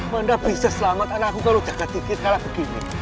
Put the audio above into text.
mana bisa selamat anakku kalau jaga tinggi kalah begini